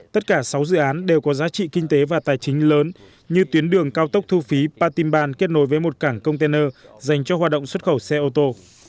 tất cả sáu dự án đều có giá trị kinh tế và tài chính lớn như tuyến đường cao tốc thu phí patimban kết nối với một cảng container dành cho hoạt động xuất khẩu xe ô tô